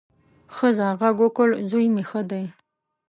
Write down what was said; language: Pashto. ښځه غږ وکړ، زوی مې ښه دی.